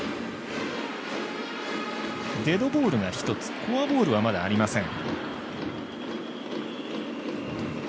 デッドボールが１つフォアボールはまだありません。